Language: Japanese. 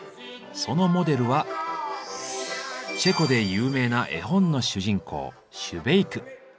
そのモデルはチェコで有名な絵本の主人公シュベイク。